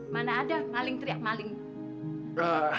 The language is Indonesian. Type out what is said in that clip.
mana ada maling teriak maling